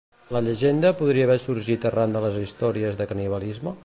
La llegenda podria haver sorgit arran de les històries de canibalisme?